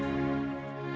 di atem malah ikutin ibadah